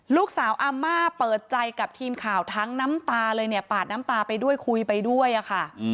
อาม่าเปิดใจกับทีมข่าวทั้งน้ำตาเลยเนี่ยปาดน้ำตาไปด้วยคุยไปด้วยอะค่ะ